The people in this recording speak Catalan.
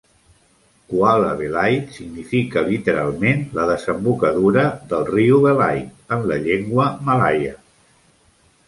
"Kuala Belait" significa literalment "la desembocadura del riu Belait" en la llengua malaia.